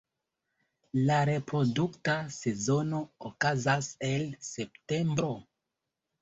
La reprodukta sezono okazas el septembro.